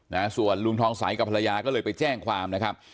นะฮะส่วนลุงทองใสกับภรรยาก็เลยไปแจ้งความนะครับ